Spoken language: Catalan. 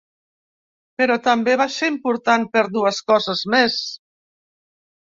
Però també va ser important per dues coses més.